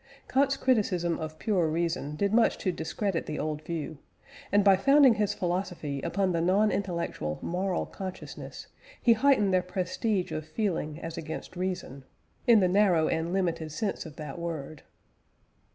Kant's criticism of "pure reason" did much to discredit the old view; and by founding his philosophy upon the non intellectual "moral consciousness," he heightened the prestige of feeling as against reason (in the narrow and limited sense of that word).